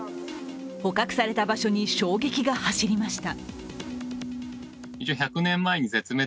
捕獲された場所に衝撃が走りました。